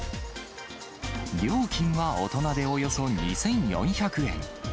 料金は大人でおよそ２４００円。